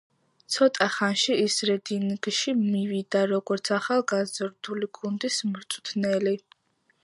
ცოტა ხანში ის რედინგში მივიდა როგორც ახალგაზრდული გუნდის მწვრთნელი.